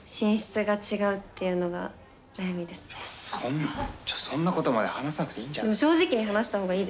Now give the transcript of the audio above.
そんそんなことまで話さなくていいんじゃない？